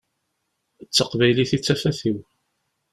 D taqbaylit i d tafat-iw.